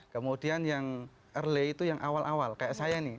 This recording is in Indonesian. kemudian yang early itu yang awal awal kayak saya nih